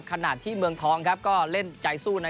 ขณะที่เมืองทองก็เล่นใจสู้